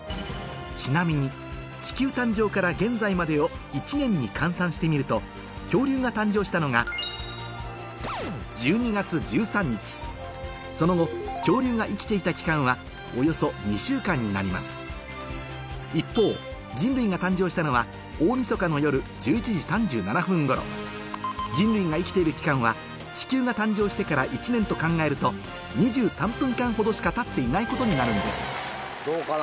ちなみに地球誕生から現在までを１年に換算してみると恐竜が誕生したのが１２月１３日その後恐竜が生きていた期間はおよそ２週間になります一方人類が誕生したのは大みそかの夜１１時３７分頃人類が生きている期間は地球が誕生してから１年と考えると２３分間ほどしかたっていないことになるんですどうかな？